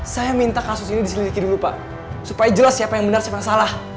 saya minta kasus ini diselidiki dulu pak supaya jelas siapa yang benar siapa yang salah